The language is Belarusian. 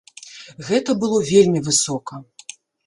Гэта было вельмі высока.